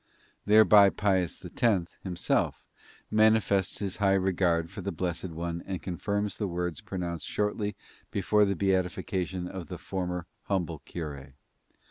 Thereby Pius X, himself, manifests his high regard for the blessed one and confirms the words pronounced shortly before the beatification of the former humble cure.